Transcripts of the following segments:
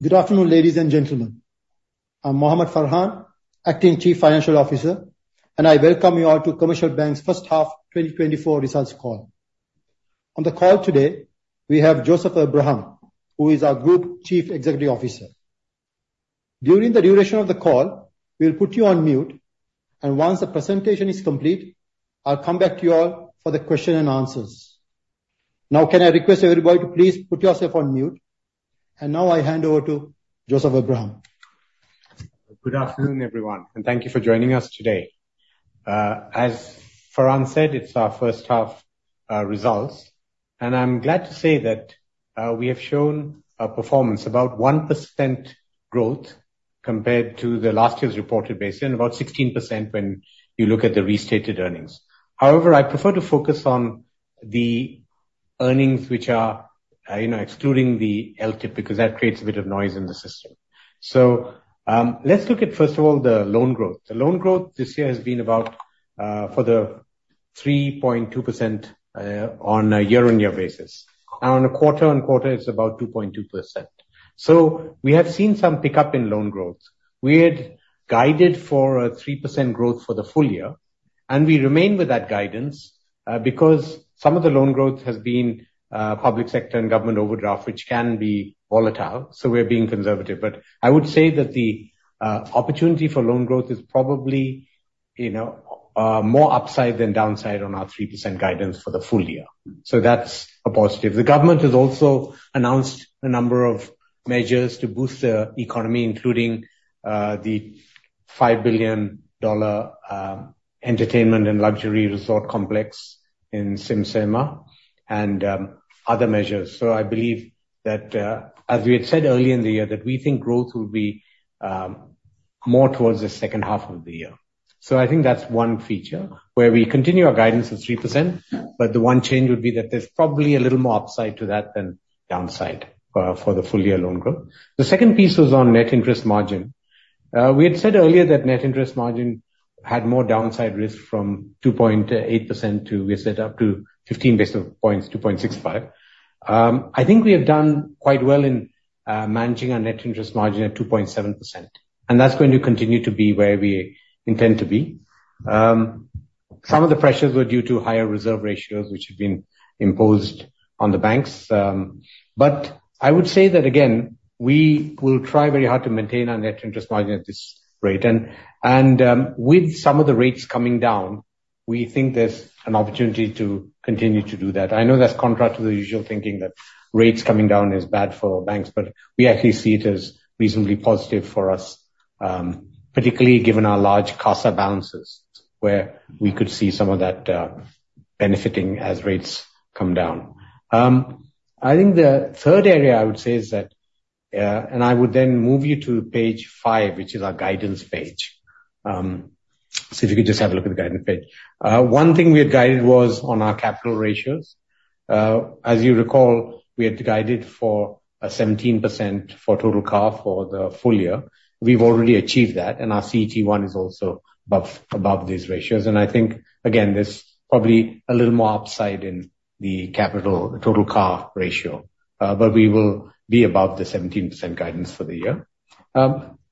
Good afternoon, ladies and gentlemen. I'm Mohamed Farhan, Acting Chief Financial Officer, and I welcome you all to Commercial Bank's First Half 2024 Results Call. On the call today, we have Joseph Abraham, who is our Group Chief Executive Officer. During the duration of the call, we'll put you on mute, and once the presentation is complete, I'll come back to you all for the question and answers. Now, can I request everybody to please put yourself on mute? And now I hand over to Joseph Abraham. Good afternoon, everyone, and thank you for joining us today. As Farhan said, it's our first half results, and I'm glad to say that we have shown a performance about 1% growth compared to the last year's reported base, and about 16% when you look at the restated earnings. However, I prefer to focus on the earnings, which are, you know, excluding the LTIP, because that creates a bit of noise in the system. So, let's look at, first of all, the loan growth. The loan growth this year has been about further 3.2%, on a year-on-year basis, and on a quarter-on-quarter, it's about 2.2%. So we have seen some pickup in loan growth. We had guided for a 3% growth for the full year, and we remain with that guidance, because some of the loan growth has been, public sector and government overdraft, which can be volatile, so we're being conservative. But I would say that the, opportunity for loan growth is probably, you know, more upside than downside on our 3% guidance for the full year. So that's a positive. The government has also announced a number of measures to boost the economy, including, the $5 billion, entertainment and luxury resort complex in Simaisma and, other measures. So I believe that, as we had said earlier in the year, that we think growth will be, more towards the second half of the year. So I think that's one feature, where we continue our guidance of 3%, but the one change would be that there's probably a little more upside to that than downside, for the full-year loan growth. The second piece was on net interest margin. We had said earlier that net interest margin had more downside risk from 2.8% to, we said, up to 15 basis points, 2.65%. I think we have done quite well in managing our net interest margin at 2.7%, and that's going to continue to be where we intend to be. Some of the pressures were due to higher reserve ratios, which have been imposed on the banks. But I would say that, again, we will try very hard to maintain our net interest margin at this rate. With some of the rates coming down, we think there's an opportunity to continue to do that. I know that's contrary to the usual thinking, that rates coming down is bad for banks, but we actually see it as reasonably positive for us, particularly given our large CASA balances, where we could see some of that benefiting as rates come down. I think the third area I would say is that, and I would then move you to page 5, which is our guidance page. So if you could just have a look at the guidance page. One thing we had guided was on our capital ratios. As you recall, we had guided for a 17% for total CAR for the full year. We've already achieved that, and our CET1 is also above, above these ratios. I think, again, there's probably a little more upside in the capital, the total CAR ratio, but we will be above the 17% guidance for the year.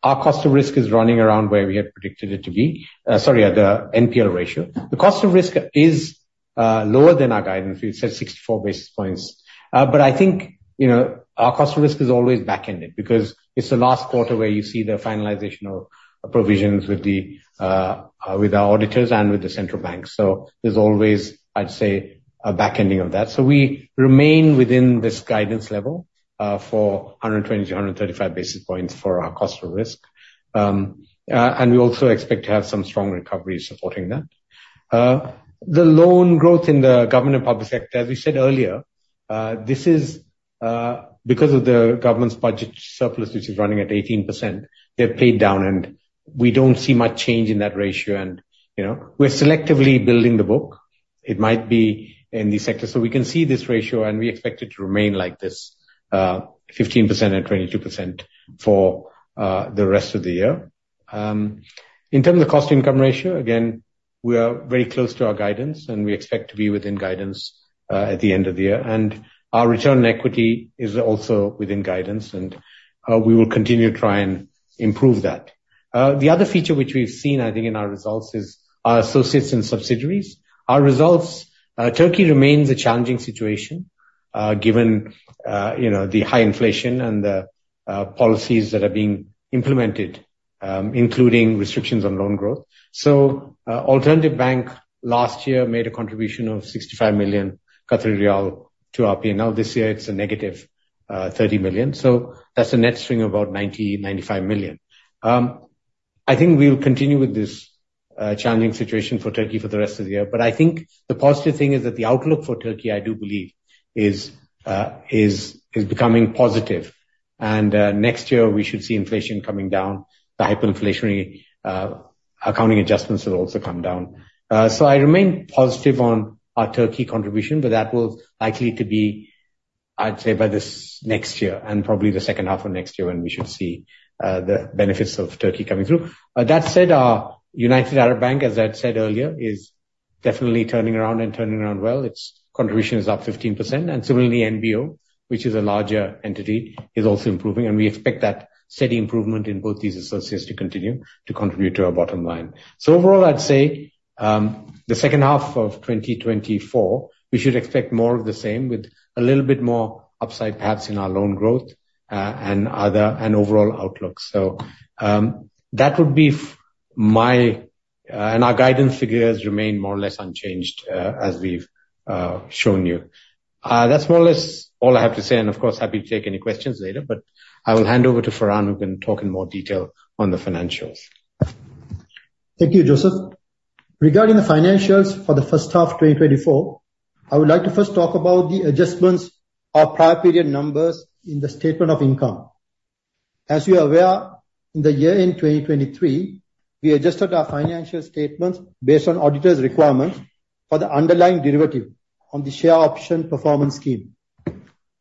Our cost of risk is running around where we had predicted it to be. Sorry, the NPL ratio. The cost of risk is lower than our guidance. We've said 64 basis points. But I think, you know, our cost of risk is always back-ended, because it's the last quarter where you see the finalization of provisions with our auditors and with the central bank. So there's always, I'd say, a back-ending of that. So we remain within this guidance level for 120-135 basis points for our cost of risk. And we also expect to have some strong recovery supporting that. The loan growth in the government and public sector, as we said earlier, this is because of the government's budget surplus, which is running at 18%, they've paid down, and we don't see much change in that ratio. And, you know, we're selectively building the book. It might be in the sector. So we can see this ratio, and we expect it to remain like this, 15% and 22% for the rest of the year. In terms of cost-income ratio, again, we are very close to our guidance, and we expect to be within guidance at the end of the year. And our return on equity is also within guidance, and we will continue to try and improve that. The other feature which we've seen, I think, in our results, is our associates and subsidiaries. Our results, Turkey remains a challenging situation, given, you know, the high inflation and the, policies that are being implemented, including restrictions on loan growth. So, Alternatif Bank last year made a contribution of 65 million Qatari riyal to our PNL. This year, it's a negative, 30 million. So that's a net swing of about 95 million. I think we'll continue with this, challenging situation for Turkey for the rest of the year. But I think the positive thing is that the outlook for Turkey, I do believe, is becoming positive. And, next year, we should see inflation coming down. The hyperinflationary, accounting adjustments will also come down. So I remain positive on our Turkey contribution, but that will likely to be, I'd say, by this next year, and probably the second half of next year when we should see the benefits of Turkey coming through. That said, our United Arab Bank, as I said earlier, is definitely turning around and turning around well. Its contribution is up 15%, and similarly, NBO, which is a larger entity, is also improving, and we expect that steady improvement in both these associates to continue to contribute to our bottom line. So overall, I'd say, the second half of 2024, we should expect more of the same, with a little bit more upside, perhaps, in our loan growth, and other, and overall outlook. So, that would be my, and our guidance figures remain more or less unchanged, as we've shown you. That's more or less all I have to say, and of course, happy to take any questions later, but I will hand over to Farhan, who can talk in more detail on the financials. Thank you, Joseph. Regarding the financials for the first half of 2024, I would like to first talk about the adjustments of prior period numbers in the statement of income. As you are aware, in the year-end 2023, we adjusted our financial statements based on auditors' requirements for the underlying derivative on the share option performance scheme.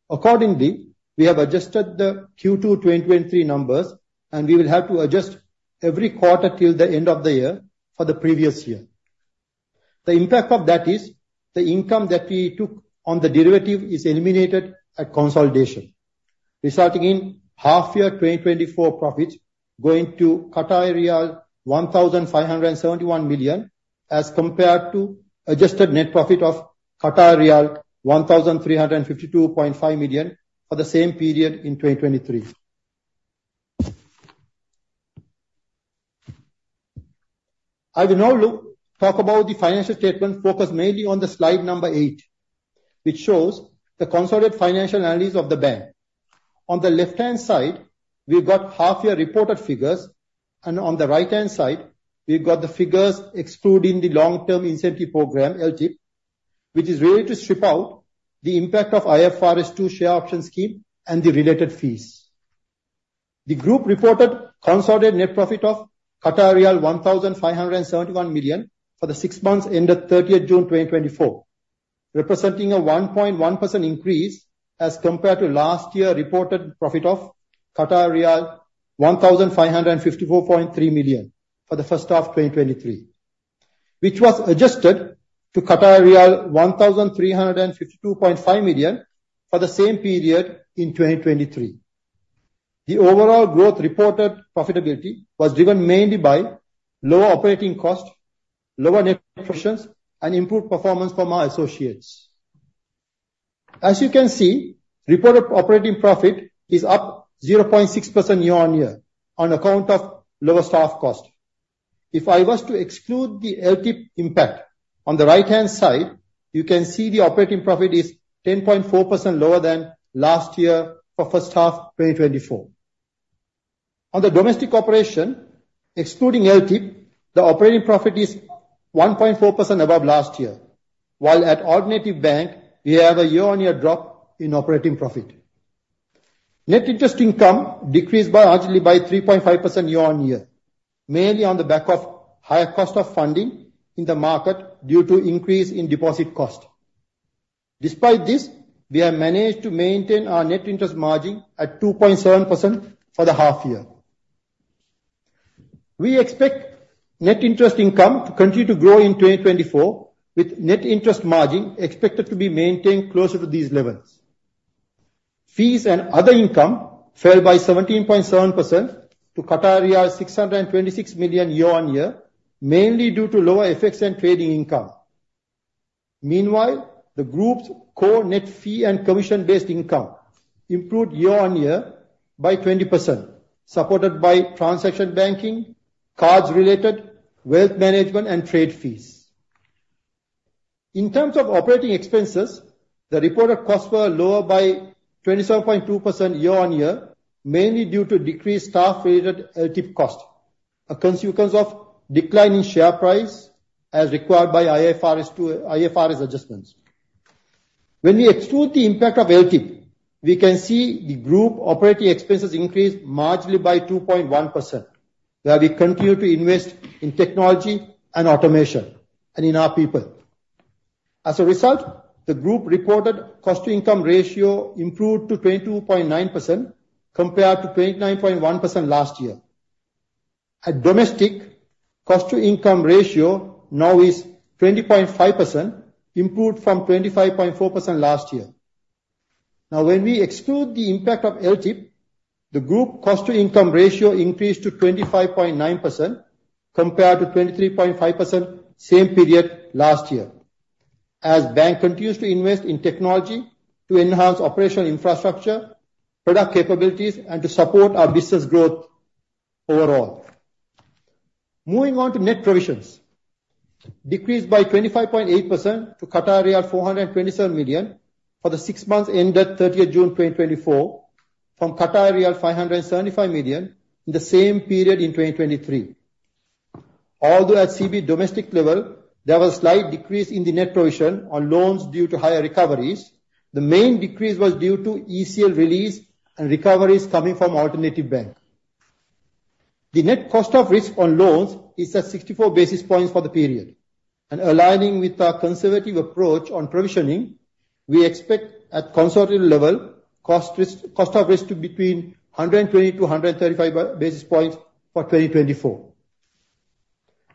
Accordingly, we have adjusted the Q2 2023 numbers, and we will have to adjust every quarter till the end of the year for the previous year. The impact of that is, the income that we took on the derivative is eliminated at consolidation, resulting in half year 2024 profits going to QAR 1,571 million, as compared to adjusted net profit of 1,352.5 million for the same period in 2023. I will now look, talk about the financial statement, focus mainly on the slide number 8, which shows the consolidated financial analysis of the bank. On the left-hand side, we've got half year reported figures, and on the right-hand side, we've got the figures excluding the long-term incentive program, LTIP, which is really to strip out the impact of IFRS2 share option scheme and the related fees. The group reported consolidated net profit of 1,571 million for the six months ended 30th June 2024, representing a 1.1% increase as compared to last year reported profit of riyal 1,554.3 million for the first half 2023, which was adjusted to riyal 1,352.5 million for the same period in 2023. The overall growth reported profitability was driven mainly by lower operating cost, lower net provisions, and improved performance from our associates. As you can see, reported operating profit is up 0.6% year-on-year on account of lower staff cost. If I was to exclude the LTIP impact, on the right-hand side, you can see the operating profit is 10.4% lower than last year for first half 2024. On the domestic operation, excluding LTIP, the operating profit is 1.4% above last year, while at Alternatif Bank, we have a year-on-year drop in operating profit. Net interest income decreased largely by 3.5% year-on-year, mainly on the back of higher cost of funding in the market due to increase in deposit cost. Despite this, we have managed to maintain our net interest margin at 2.7% for the half year. We expect net interest income to continue to grow in 2024, with net interest margin expected to be maintained closer to these levels. Fees and other income fell by 17.7% to 626 million year-on-year, mainly due to lower FX and trading income. Meanwhile, the group's core net fee and commission-based income improved year-on-year by 20%, supported by transaction banking, cards related, wealth management, and trade fees. In terms of operating expenses, the reported costs were lower by 27.2% year-on-year, mainly due to decreased staff-related LTIP cost, a consequence of declining share price as required by IFRS 2, IFRS adjustments. When we exclude the impact of LTIP, we can see the group operating expenses increased marginally by 2.1%, where we continue to invest in technology and automation, and in our people. As a result, the group reported cost-to-income ratio improved to 22.9%, compared to 29.1% last year. At Domestic, cost-to-income ratio now is 20.5%, improved from 25.4% last year. Now, when we exclude the impact of LTIP, the group cost-to-income ratio increased to 25.9%, compared to 23.5% same period last year, as bank continues to invest in technology to enhance operational infrastructure, product capabilities, and to support our business growth overall. Moving on to net provisions. Decreased by 25.8% to riyal 427 million for the six months ended 30th June 2024, from riyal 575 million in the same period in 2023. Although at CB domestic level, there was a slight decrease in the net provision on loans due to higher recoveries, the main decrease was due to ECL release and recoveries coming from Alternatif Bank. The net cost of risk on loans is at 64 basis points for the period, and aligning with our conservative approach on provisioning. We expect at consolidated level, cost risk, cost of risk to between 120 to 135 basis points for 2024.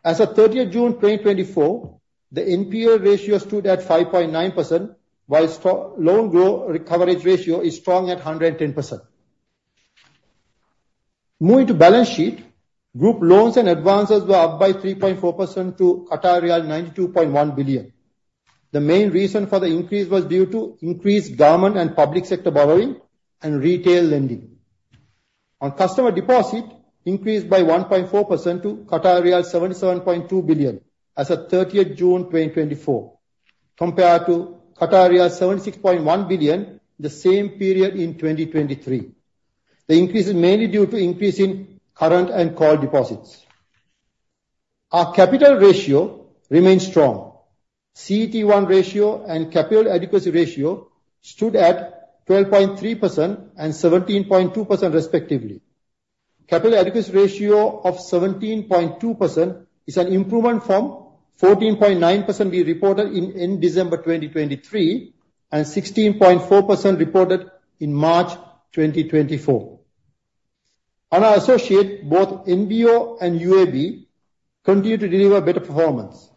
As of 30th June 2024, the NPL ratio stood at 5.9%, while loan growth recovery ratio is strong at 110%. Moving to balance sheet. Group loans and advances were up by 3.4% to 92.1 billion. The main reason for the increase was due to increased government and public sector borrowing and retail lending. On customer deposit, increased by 1.4% to 77.2 billion as of 30th June 2024, compared to 76.1 billion, the same period in 2023. The increase is mainly due to increase in current and core deposits. Our capital ratio remains strong. CET1 ratio and capital adequacy ratio stood at 12.3% and 17.2% respectively. Capital adequacy ratio of 17.2% is an improvement from 14.9% we reported in December 2023, and 16.4% reported in March 2024. On our associate, both NBO and UAB, continue to deliver better performance.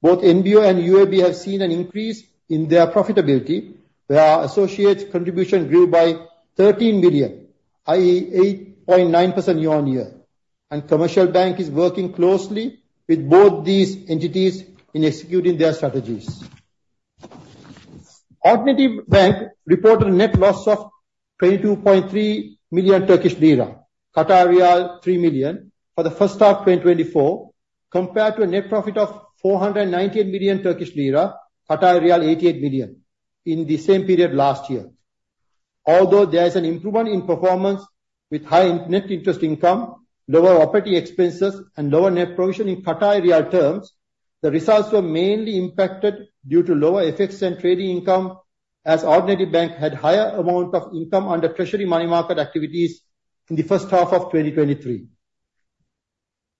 Both NBO and UAB have seen an increase in their profitability, where our associates' contribution grew by 13 million, i.e. 8.9% year-on-year, and Commercial Bank is working closely with both these entities in executing their strategies. Alternatif Bank reported a net loss of 22.3 million Turkish lira, 3 million, for the first half 2024, compared to a net profit of 498 million Turkish lira, 88 million, in the same period last year. Although there is an improvement in performance with high net interest income, lower operating expenses, and lower net provision in QAR terms, the results were mainly impacted due to lower FX and trading income, as Alternatif Bank had higher amount of income under treasury money market activities in the first half of 2023.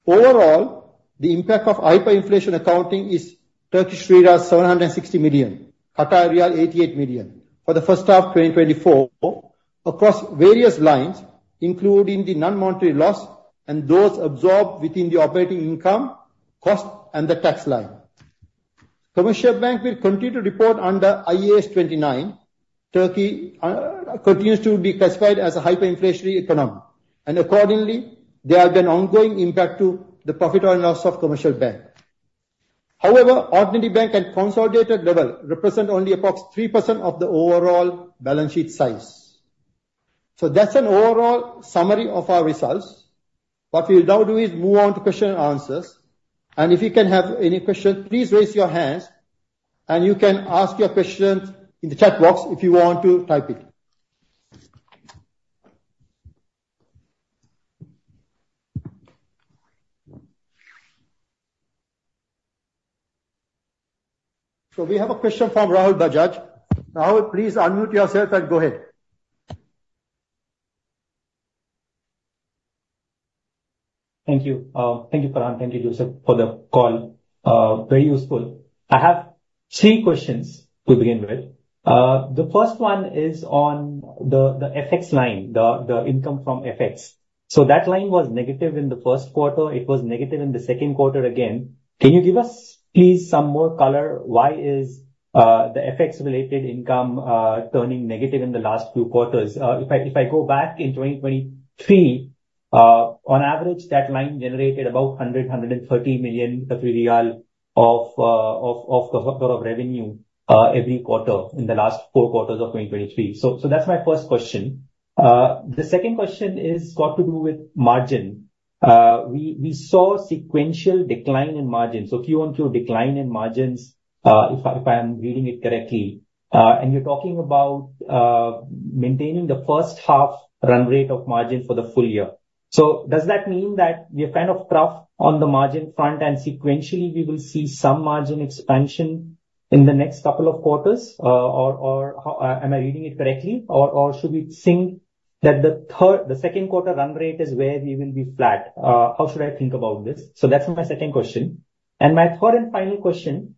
Overall, the impact of hyperinflation accounting is TRY 760 million, riyal 88 million, for the first half 2024, across various lines, including the non-monetary loss and those absorbed within the operating income, cost, and the tax line. Commercial Bank will continue to report under IAS 29. Turkey continues to be classified as a hyperinflationary economy, and accordingly, there have been ongoing impact to the profit and loss of Commercial Bank. However, Alternatif Bank at consolidated level represent only approx 3% of the overall balance sheet size. So that's an overall summary of our results. What we'll now do is move on to question and answers, and if you can have any question, please raise your hands, and you can ask your question in the chat box if you want to type it. So we have a question from Rahul Bajaj. Rahul, please unmute yourself and go ahead. Thank you. Thank you, Farhan. Thank you, Joseph, for the call. Very useful. I have three questions to begin with. The first one is on the FX line, the income from FX. So that line was negative in the first quarter. It was negative in the second quarter again. Can you give us, please, some more color? Why is the FX-related income turning negative in the last two quarters? If I go back in 2023, on average, that line generated about 130 million of total revenue every quarter in the last four quarters of 2023. So that's my first question. The second question is got to do with margin. We saw sequential decline in margin, so Q1 Q2 decline in margins, if I'm reading it correctly, and you're talking about maintaining the first half run rate of margin for the full year. So does that mean that we are kind of tough on the margin front, and sequentially we will see some margin expansion in the next couple of quarters? Or, how am I reading it correctly? Or should we think that the third, the second quarter run rate is where we will be flat? How should I think about this? So that's my second question. And my third and final question,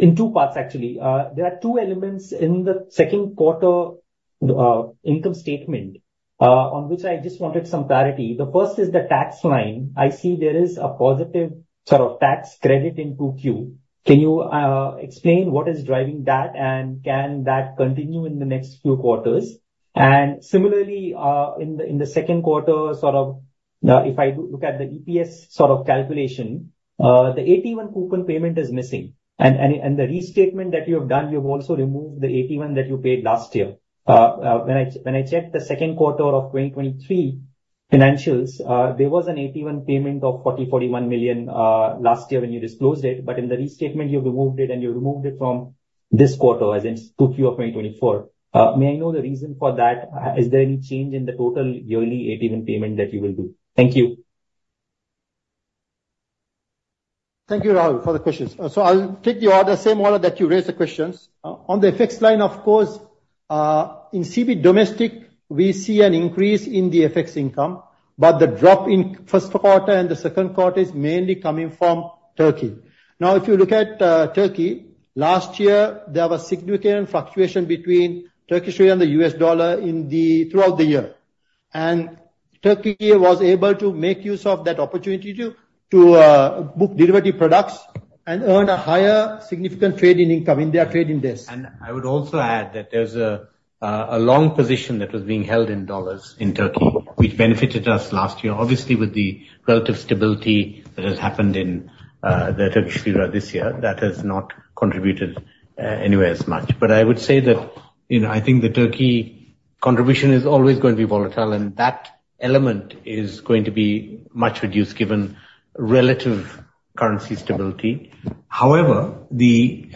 in two parts, actually. There are two elements in the second quarter income statement on which I just wanted some clarity. The first is the tax line. I see there is a positive sort of tax credit in 2Q. Can you explain what is driving that, and can that continue in the next few quarters? And similarly, in the second quarter, sort of, if I do look at the EPS sort of calculation, the AT1 coupon payment is missing, and the restatement that you have done, you've also removed the AT1 that you paid last year. When I checked the second quarter of 2023 financials, there was an AT1 payment of 41 million last year when you disclosed it, but in the restatement, you removed it, and you removed it from this quarter, as in 2Q of 2024. May I know the reason for that? Is there any change in the total yearly AT1 payment that you will do? Thank you. Thank you, Rahul, for the questions. So I'll take the order, same order that you raised the questions. On the FX line, of course, in CB Domestic, we see an increase in the FX income, but the drop in first quarter and the second quarter is mainly coming from Turkey. Now, if you look at Turkey, last year, there was significant fluctuation between Turkish lira and the US dollar throughout the year. And Turkey was able to make use of that opportunity to book derivative products and earn a higher significant trading income in their trading desk. I would also add that there's a long position that was being held in dollars in Turkey, which benefited us last year. Obviously, with the relative stability that has happened in the Turkish lira this year, that has not contributed anywhere as much. But I would say that, you know, I think the Turkey contribution is always going to be volatile, and that element is going to be much reduced, given relative currency stability. However, the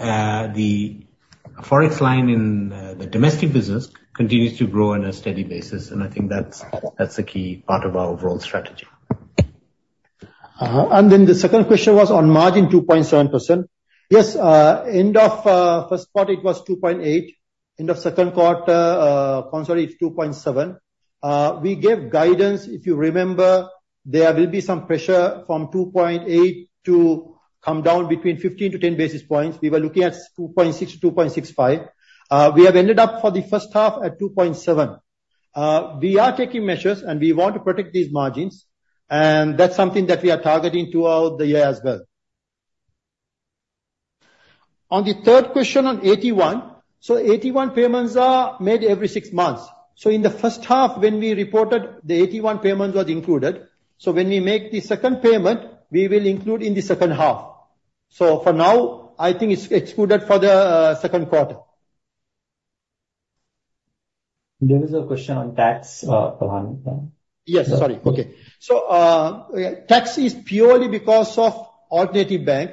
Forex line in the domestic business continues to grow on a steady basis, and I think that's a key part of our overall strategy. And then the second question was on margin 2.7%. Yes, end of first quarter, it was 2.8%. End of second quarter, sorry, it's 2.7%. We gave guidance, if you remember, there will be some pressure from 2.8 to come down between 15-10 basis points. We were looking at 2.6-2.65. We have ended up for the first half at 2.7. We are taking measures, and we want to protect these margins, and that's something that we are targeting throughout the year as well. On the third question, on AT1. So 8AT11 payments are made every six months. So in the first half, when we reported, the AT1 payments was included. So when we make the second payment, we will include in the second half. For now, I think it's excluded for the second quarter. There is a question on tax, planning, yeah? Yes, sorry. Okay. So, yeah, tax is purely because of Alternatif Bank.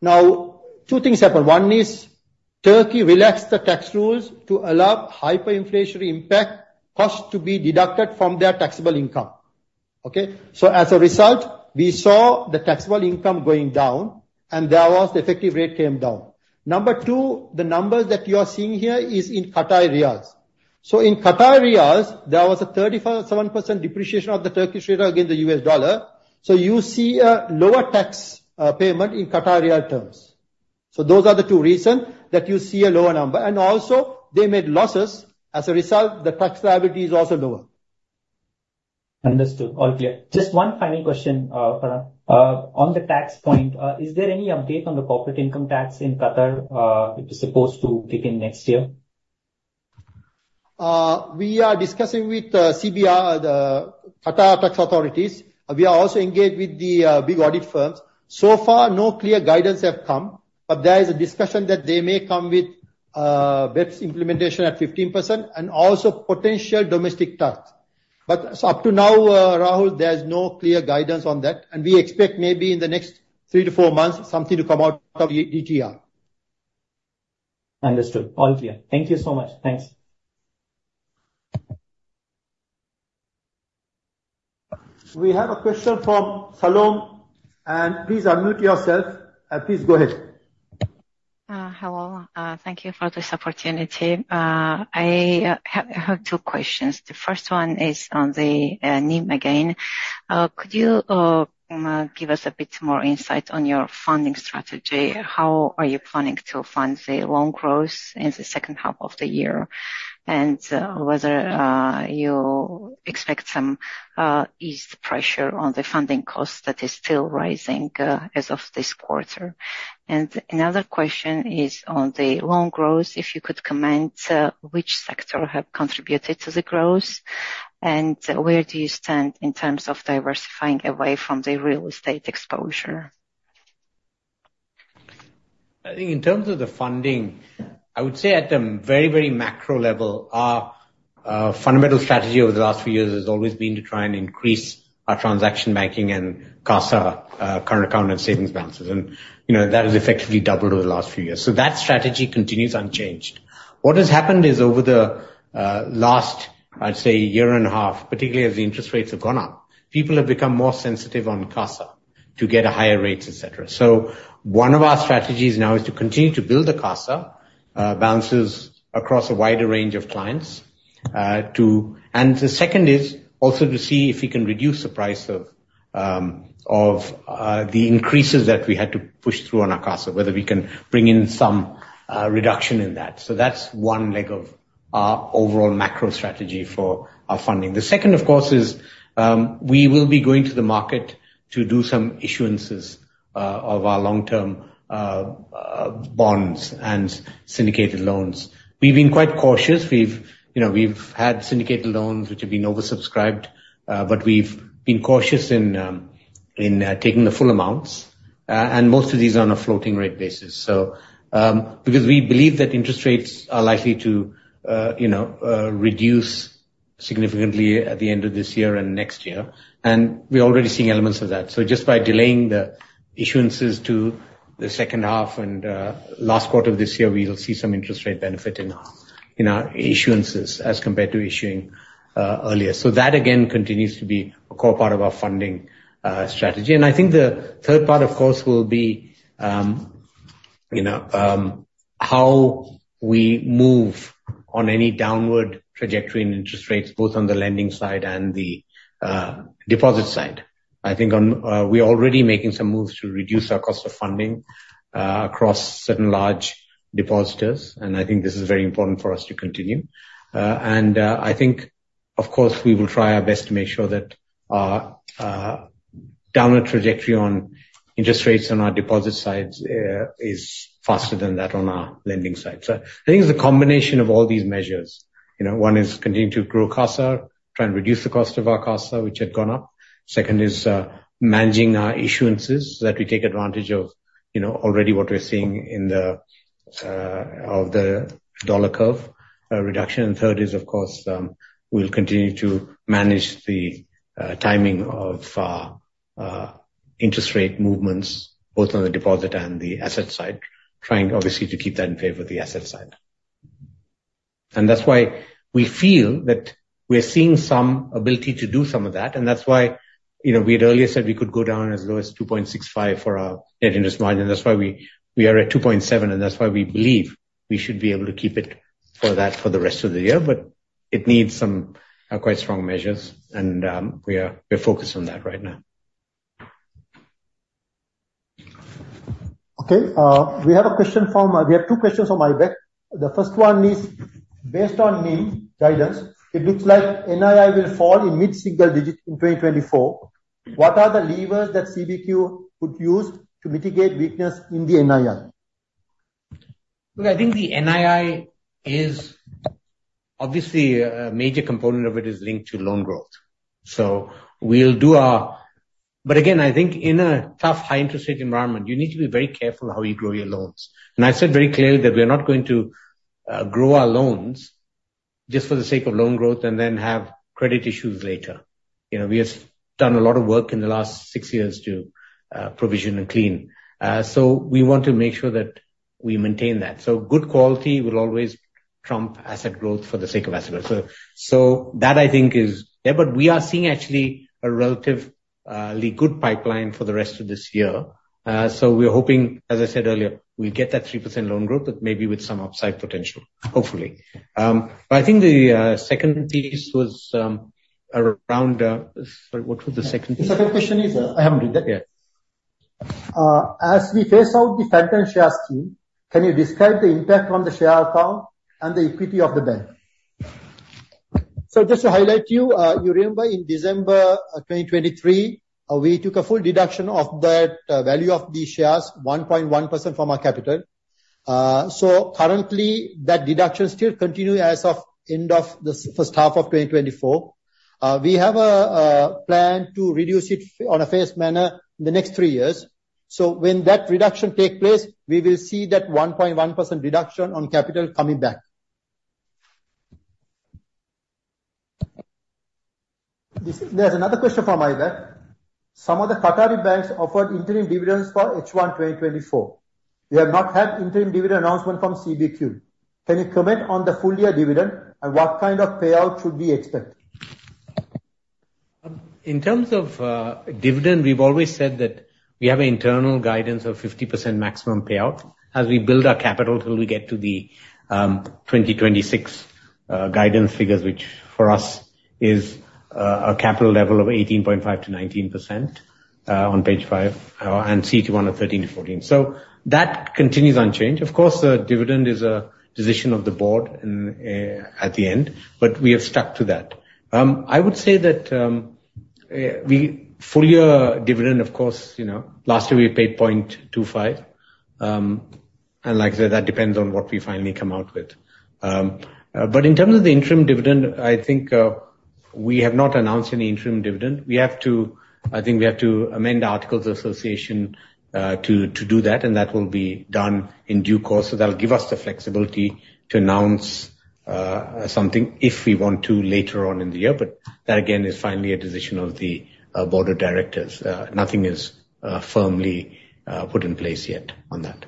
Now, two things happened. One is, Turkey relaxed the tax rules to allow hyperinflationary impact costs to be deducted from their taxable income. Okay? So as a result, we saw the taxable income going down, and there was the effective rate came down. Number two, the numbers that you are seeing here is in Qatari riyals. So in Qatari riyals, there was a 35.7% depreciation of the Turkish lira against the US dollar, so you see a lower tax, payment in Qatari riyal terms. So those are the two reason that you see a lower number. And also, they made losses. As a result, the tax liability is also lower. Understood. All clear. Just one final question, Farhan. On the tax point, is there any update on the corporate income tax in Qatar, which is supposed to kick in next year? We are discussing with GTA, the Qatar tax authorities. We are also engaged with the big audit firms. So far, no clear guidance have come, but there is a discussion that they may come with VAT's implementation at 15% and also potential domestic tax. But so up to now, Rahul, there's no clear guidance on that, and we expect maybe in the next 3-4 months, something to come out of the GTA. Understood. All clear. Thank you so much. Thanks. We have a question from Salome, and please unmute yourself, and please go ahead. Hello. Thank you for this opportunity. I have two questions. The first one is on the NIM again. Could you give us a bit more insight on your funding strategy? How are you planning to fund the loan growth in the second half of the year? And whether you expect some ease pressure on the funding costs that is still rising as of this quarter. And another question is on the loan growth, if you could comment which sector have contributed to the growth, and where do you stand in terms of diversifying away from the real estate exposure? I think in terms of the funding, I would say at a very, very macro level, our fundamental strategy over the last few years has always been to try and increase our transaction banking and CASA current account and savings balances. And, you know, that has effectively doubled over the last few years. So that strategy continues unchanged. What has happened is, over the last, I'd say, year and a half, particularly as the interest rates have gone up, people have become more sensitive on CASA to get higher rates, et cetera. So one of our strategies now is to continue to build the CASA balances across a wider range of clients to... The second is also to see if we can reduce the price of the increases that we had to push through on our CASA, whether we can bring in some reduction in that. So that's one leg of our overall macro strategy for our funding. The second, of course, is we will be going to the market to do some issuances of our long-term bonds and syndicated loans. We've been quite cautious. We've, you know, we've had syndicated loans which have been oversubscribed, but we've been cautious in taking the full amounts, and most of these are on a floating rate basis. So, because we believe that interest rates are likely to, you know, reduce significantly at the end of this year and next year, and we're already seeing elements of that. So just by delaying the issuances to the second half and, last quarter of this year, we will see some interest rate benefit in our, in our issuances as compared to issuing, earlier. So that, again, continues to be a core part of our funding, strategy. And I think the third part, of course, will be you know, how we move on any downward trajectory in interest rates, both on the lending side and the, deposit side. I think on, we are already making some moves to reduce our cost of funding, across certain large depositors, and I think this is very important for us to continue. I think, of course, we will try our best to make sure that our downward trajectory on interest rates on our deposit sides is faster than that on our lending side. So I think it's a combination of all these measures. You know, one is continuing to grow CASA, try and reduce the cost of our CASA, which had gone up. Second is, managing our issuances, that we take advantage of, you know, already what we're seeing in the, of the dollar curve, reduction. And third is, of course, we'll continue to manage the, timing of our, interest rate movements, both on the deposit and the asset side, trying, obviously, to keep that in favor of the asset side. And that's why we feel that we're seeing some ability to do some of that, and that's why, you know, we had earlier said we could go down as low as 2.65 for our net interest margin. That's why we are at 2.7, and that's why we believe we should be able to keep it for that for the rest of the year. But it needs some quite strong measures, and we are focused on that right now. Okay. We have two questions from Aybek. The first one is: Based on NIM guidance, it looks like NII will fall in mid-single digits in 2024. What are the levers that CBQ could use to mitigate weakness in the NII? Look, I think the NII is obviously a major component of it is linked to loan growth, so we'll do our... Again, I think in a tough, high interest rate environment, you need to be very careful how you grow your loans. I said very clearly that we are not going to grow our loans just for the sake of loan growth and then have credit issues later. You know, we have done a lot of work in the last six years to provision and clean. We want to make sure that we maintain that. Good quality will always trump asset growth for the sake of asset growth. So, so that, I think, is there. We are seeing actually a relatively good pipeline for the rest of this year. So we are hoping, as I said earlier, we get that 3% loan growth, but maybe with some upside potential, hopefully. But I think the second piece was around, sorry, what was the second piece? The second question is, I haven't read that yet. Yeah. As we phase out the phantom shares scheme, can you describe the impact on the share account and the equity of the bank? So just to highlight you, you remember in December of 2023, we took a full deduction of that, value of these shares, 1.1% from our capital. So currently, that deduction is still continuing as of end of the first half of 2024. We have a plan to reduce it on a phased manner in the next three years. So when that reduction takes place, we will see that 1.1% reduction on capital coming back. There's another question from Aybek. Some of the Qatari banks offered interim dividends for H1 2024. We have not had interim dividend announcement from CBQ. Can you comment on the full year dividend, and what kind of payout should we expect? In terms of dividend, we've always said that we have an internal guidance of 50% maximum payout as we build our capital till we get to the 2026 guidance figures, which for us is a capital level of 18.5%-19% on page 5, and CET1 of 13-14. So that continues unchanged. Of course, the dividend is a decision of the board and at the end, but we have stuck to that. I would say that we full year dividend, of course, you know, last year we paid 0.25. And like I said, that depends on what we finally come out with. But in terms of the interim dividend, I think we have not announced any interim dividend. I think we have to amend the Articles of Association, to do that, and that will be done in due course. So that will give us the flexibility to announce something if we want to, later on in the year. But that, again, is finally a decision of the board of directors. Nothing is firmly put in place yet on that.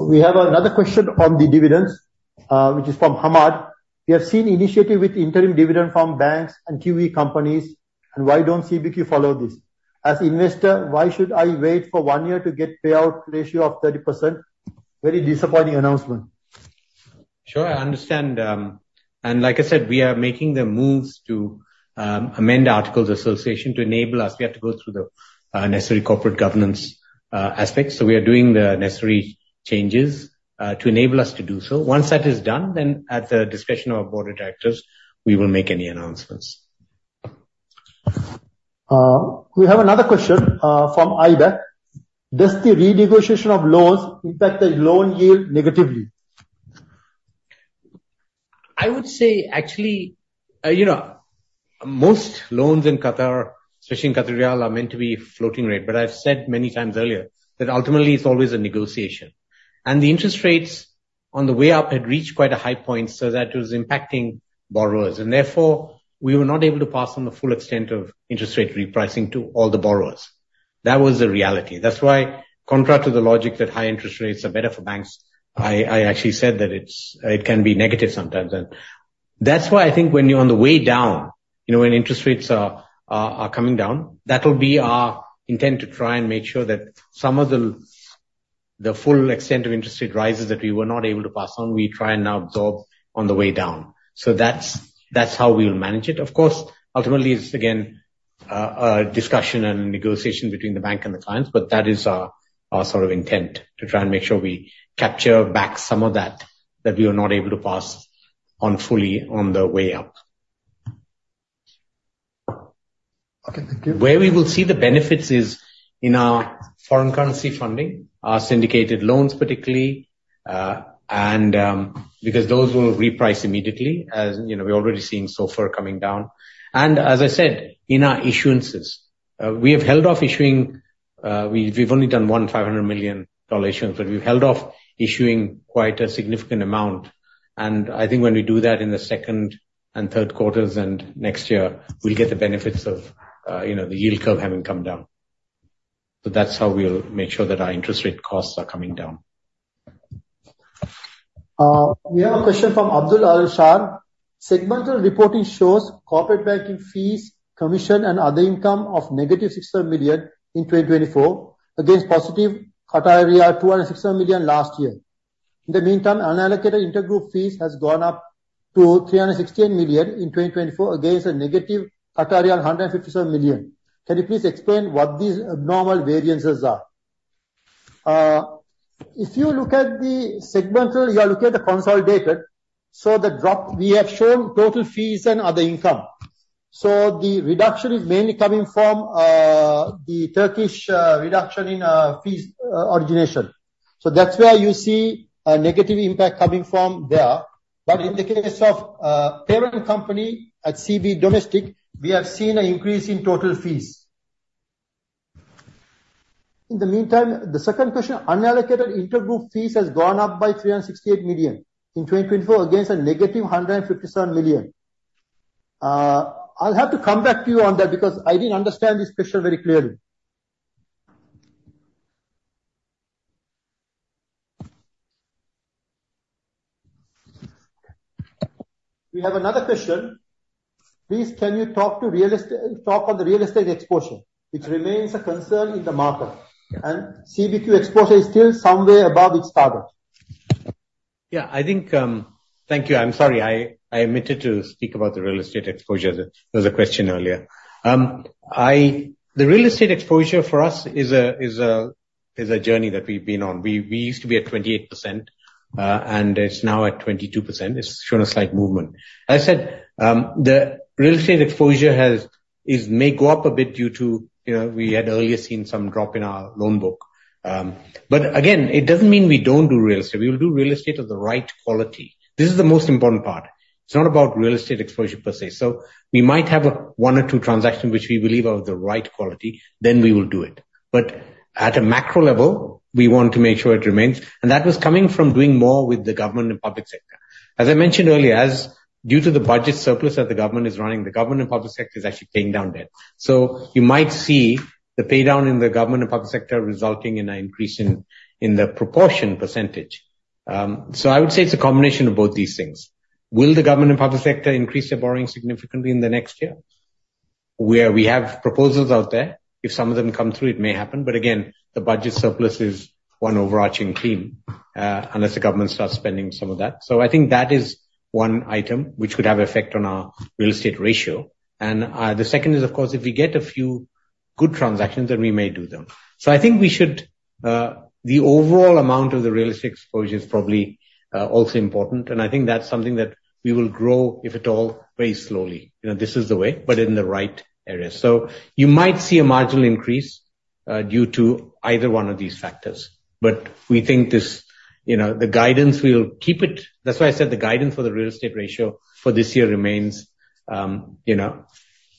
We have another question on the dividends, which is from Hamad. We have seen initiative with interim dividend from banks and QE companies, and why don't CBQ follow this? As investor, why should I wait for one year to get payout ratio of 30%? Very disappointing announcement. Sure, I understand, and like I said, we are making the moves to amend the Articles of Association to enable us. We have to go through the necessary corporate governance aspects, so we are doing the necessary changes to enable us to do so. Once that is done, then at the discretion of our board of directors, we will make any announcements. We have another question from Aybek. Does the renegotiation of loans impact the loan yield negatively? I would say, actually, you know, most loans in Qatar, especially in Qatar, are meant to be floating rate. But I've said many times earlier that ultimately it's always a negotiation, and the interest rates on the way up had reached quite a high point, so that was impacting borrowers, and therefore, we were not able to pass on the full extent of interest rate repricing to all the borrowers. That was the reality. That's why, contrary to the logic that high interest rates are better for banks, I, I actually said that it's, it can be negative sometimes. And that's why I think when you're on the way down-... You know, when interest rates are coming down, that will be our intent to try and make sure that some of the full extent of interest rate rises that we were not able to pass on, we try and now absorb on the way down. So that's how we'll manage it. Of course, ultimately, it's again a discussion and negotiation between the bank and the clients, but that is our sort of intent, to try and make sure we capture back some of that we were not able to pass on fully on the way up. Okay, thank you. Where we will see the benefits is in our foreign currency funding, our syndicated loans particularly, and, because those will reprice immediately, as, you know, we've already seen SOFR coming down. And as I said, in our issuances, we have held off issuing, we've only done one $500 million issuance, but we've held off issuing quite a significant amount, and I think when we do that in the second and third quarters and next year, we'll get the benefits of, you know, the yield curve having come down. But that's how we'll make sure that our interest rate costs are coming down. We have a question from Abdullah Ali-Shah. Segmental reporting shows corporate banking fees, commission, and other income of negative 600 million in 2024, against positive 260 million last year. In the meantime, unallocated intergroup fees has gone up to 368 million in 2024, against a negative 157 million. Can you please explain what these abnormal variances are? If you look at the segmental, you are looking at the consolidated, so the drop. We have shown total fees and other income. So the reduction is mainly coming from the Turkish reduction in fees origination. So that's where you see a negative impact coming from there. But in the case of parent company at CB Domestic, we have seen an increase in total fees. In the meantime, the second question, unallocated intergroup fees has gone up by 368 million in 2024, against a negative 157 million. I'll have to come back to you on that, because I didn't understand this question very clearly. We have another question. Please, can you talk on the real estate exposure, which remains a concern in the market, and CBQ exposure is still somewhere above its target. Yeah, I think. Thank you. I'm sorry, I omitted to speak about the real estate exposure. There was a question earlier. The real estate exposure for us is a journey that we've been on. We used to be at 28%, and it's now at 22%. It's shown a slight movement. As I said, the real estate exposure may go up a bit due to, you know, we had earlier seen some drop in our loan book. But again, it doesn't mean we don't do real estate. We will do real estate of the right quality. This is the most important part. It's not about real estate exposure per se. So we might have one or two transactions which we believe are of the right quality, then we will do it. At a macro level, we want to make sure it remains, and that was coming from doing more with the government and public sector. As I mentioned earlier, as due to the budget surplus that the government is running, the government and public sector is actually paying down debt. You might see the pay down in the government and public sector resulting in an increase in the proportion percentage. I would say it's a combination of both these things. Will the government and public sector increase their borrowing significantly in the next year? Where we have proposals out there, if some of them come through, it may happen, but again, the budget surplus is one overarching theme, unless the government starts spending some of that. I think that is one item which could have effect on our real estate ratio. And, the second is, of course, if we get a few good transactions, then we may do them. So I think we should, the overall amount of the real estate exposure is probably, also important, and I think that's something that we will grow, if at all, very slowly. You know, this is the way, but in the right area. So you might see a marginal increase, due to either one of these factors, but we think this, you know, the guidance, we'll keep it. That's why I said the guidance for the real estate ratio for this year remains, you know,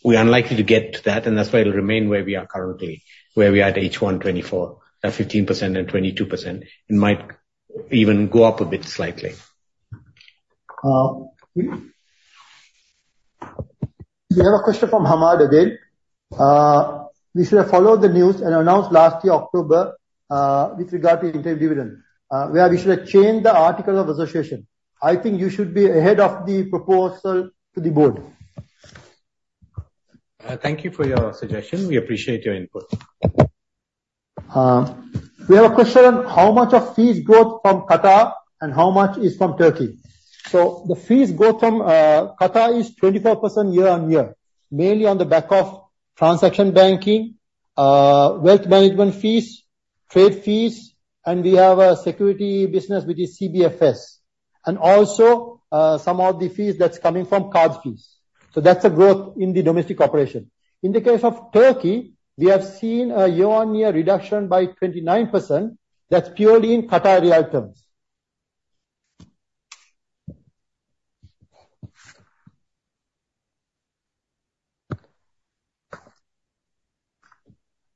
we are unlikely to get to that, and that's why it'll remain where we are currently, where we're at H1 2024, at 15% and 22%. It might even go up a bit, slightly. We have a question from Hamad Adel. We should have followed the news and announced last year, October, with regard to interim dividend, where we should have changed the article of association. I think you should be ahead of the proposal to the board. Thank you for your suggestion. We appreciate your input. We have a question, how much of fees growth from Qatar and how much is from Turkey? So the fees growth from Qatar is 24% year-on-year, mainly on the back of transaction banking, wealth management fees, trade fees, and we have a security business, which is CBFS, and also, some of the fees that's coming from card fees. So that's a growth in the domestic operation. In the case of Turkey, we have seen a year-on-year reduction by 29%. That's purely in Qatari riyal terms.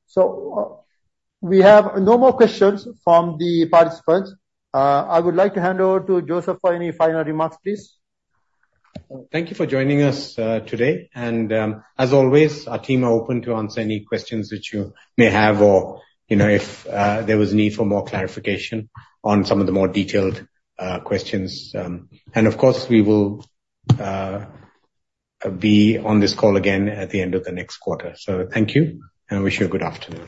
So we have no more questions from the participants. I would like to hand over to Joseph for any final remarks, please. Thank you for joining us today, and as always, our team are open to answer any questions that you may have, or, you know, if there was need for more clarification on some of the more detailed questions. Of course, we will be on this call again at the end of the next quarter. Thank you, and wish you a good afternoon.